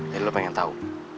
jadi lu pengen tau